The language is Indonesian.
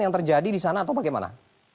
yang terjadi di sana atau bagaimana